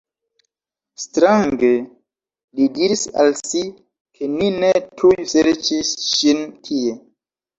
Strange, li diris al si, ke ni ne tuj serĉis ŝin tie.